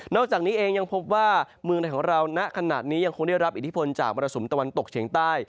อกจากนี้เองยังพบว่าเมืองในของเราณขณะนี้ยังคงได้รับอิทธิพลจากมรสุมตะวันตกเฉียงใต้